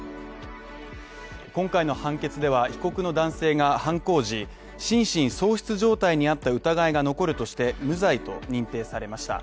今回の判決では被告の男性が犯行時、心神喪失状態にあった疑いが残るとして無罪と認定されました。